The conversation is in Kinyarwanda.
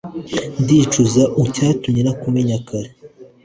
Ndicuza ucyatumye ntakumenya kare